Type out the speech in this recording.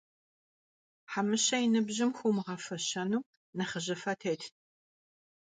Хьэмыщэ и ныбжьым хуумыгъэфэщэну нэхъыжьыфэ тетт.